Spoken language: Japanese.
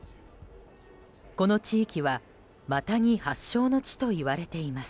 この地域は、マタギ発祥の地といわれています。